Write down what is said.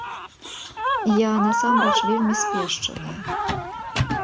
Я, насамрэч, вельмі спешчаная.